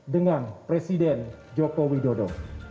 dengan presiden joko widodo